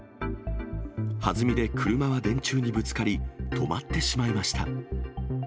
はずみで車は電柱にぶつかり、止まってしまいました。